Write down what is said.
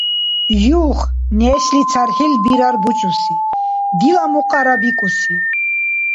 Юх, нешли цархӀил бирар бучӀуси, «Дила мукьара» бикӀуси.